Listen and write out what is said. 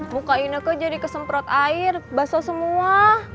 muka ine kok jadi kesemprot air basah semua